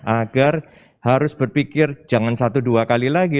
agar harus berpikir jangan satu dua kali lagi